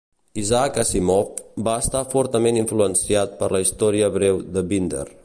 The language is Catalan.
Isaac Asimov va estar fortament influenciat per la història breu de Binder.